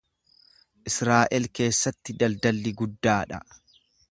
Israa’el keessatti daldalli guddaa dha.